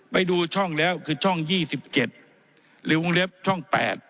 ไปดูช่องแล้วคือช่อง๒๗หรือวงเล็บช่อง๘